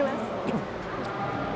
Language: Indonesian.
pertama kalau modal